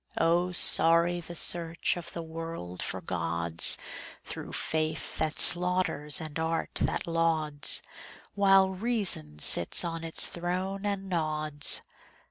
Oh, sorry the search of the world for gods, Through faith that slaughters and art that lauds, While reason sits on its throne and nods.